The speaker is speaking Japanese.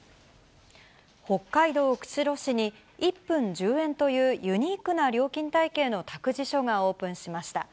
北海道釧路市に、１分１０円というユニークな料金体系の託児所がオープンしました。